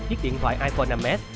chiếc điện thoại iphone năm s